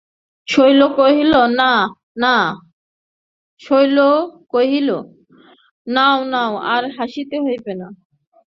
শৈল কহিল, নাও নাও, আর হাসিতে হইবে না।